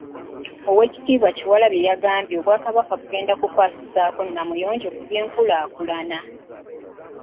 Oweekitiibwa Kyewalabye yagambye Obwakabaka bugenda kukwasizaako Namuyonjo ku by'enkulaakulana.